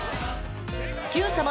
「Ｑさま！！」